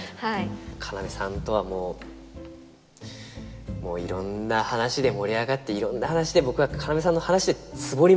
要さんとはもうもういろんな話で盛り上がっていろんな話で僕は要さんの話でツボりまくって。